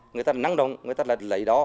người ta nắng đồng người ta lấy đó